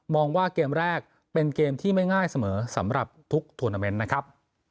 ว่าเกมแรกเป็นเกมที่ไม่ง่ายเสมอสำหรับทุกทวนาเมนต์นะครับ